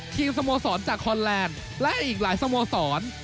สโมสรจากคอนแลนด์และอีกหลายสโมสร